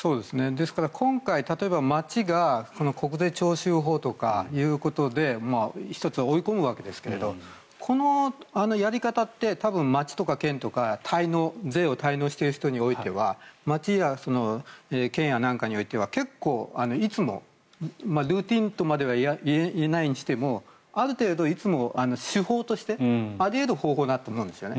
ですから、今回、町が国税徴収法ということで１つは追い込むわけですがこのやり方って多分、町とか県とか税を滞納している人においては町や県やなんかにおいては結構、いつもルーチンとまでは言えないにしてもある程度、いつも手法としてあり得る方法だと思うんです。